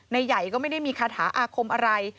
ใหญ่ก็ไม่ได้มีคาถาอาคมอะไร